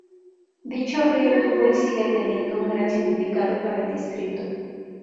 Dicho río tuvo y sigue teniendo un gran significado para el distrito.